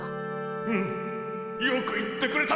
うんよく言ってくれた！